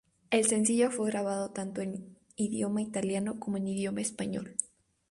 El sencillo fue grabado tanto en idioma italiano como en idioma español.